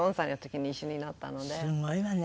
すごいわね。